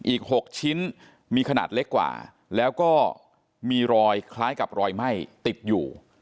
อีก๖ชิ้นมีขนาดเล็กกว่าแล้วก็มีรอยคล้ายกับรอยไหม้ติดอยู่